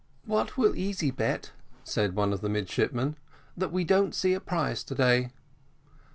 "What will Easy bet," said one of the midshipmen, "that we don't see a prize to day?"